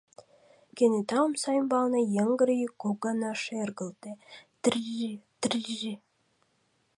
Кенета омса ӱмбалне йыҥгыр йӱк кок гана шергылте: тьр-р. тьр-р.